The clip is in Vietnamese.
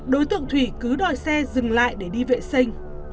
đối tượng thủy cứ đòi xe dừng lại để đi vệ sinh